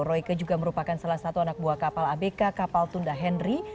royke juga merupakan salah satu anak buah kapal abk kapal tunda henry